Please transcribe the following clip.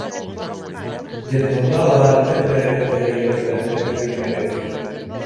Детдомда ла бер-берегеҙҙе йәберләтергә бирмәгеҙ.